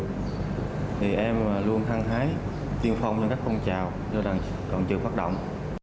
thì em luôn thăng hái tiên phong cho các công trào cho đoàn trưởng phát động